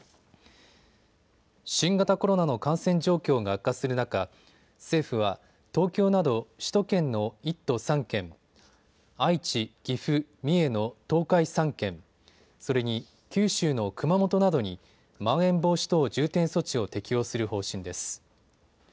新型コロナの感染状況が悪化する中、政府は東京など首都圏の１都３県、愛知、岐阜、三重の東海３県、それに九州の熊本などにまん延防止等重点措置を適用する方針です。